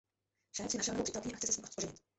Šéf si našel novou přítelkyni a chce se s ní oženit.